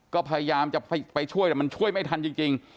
ก็พยายามจะไปช่วยแต่มันช่วยไม่ทันจริง